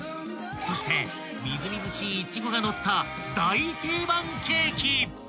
［そしてみずみずしいイチゴがのった大定番ケーキ］